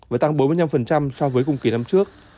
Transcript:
và tăng bốn mươi năm so với cùng kỳ năm trước